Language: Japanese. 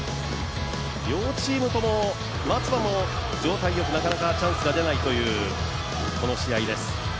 両チームとも松葉も状態よくなかなかチャンスが出ないという試合です。